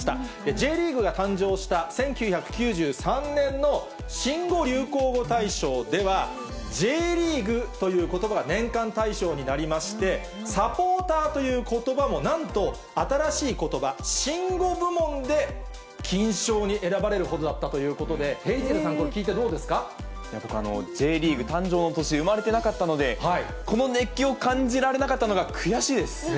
Ｊリーグが誕生した１９９３年の新語・流行語大賞では、Ｊリーグということばが年間大賞になりまして、サポーターということばも、なんと、新しいことば、新語部門で金賞に選ばれるほどだったということで、ヘイゼルさん、Ｊリーグ誕生の年、生まれてなかったので、この熱気を感じられなかったのが、悔しいです。